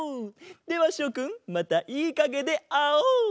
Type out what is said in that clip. ではしょくんまたいいかげであおう。